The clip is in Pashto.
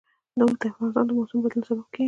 اوښ د افغانستان د موسم د بدلون سبب کېږي.